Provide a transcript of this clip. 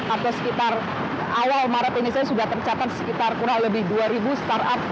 atau sekitar awal maret ini saja sudah tercatat sekitar kurang lebih dua ribu startup